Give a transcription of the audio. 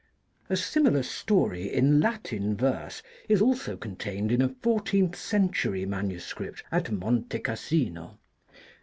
A similar story in Latin verse is also contained in a fourteenth century MS. at Monte Cassino.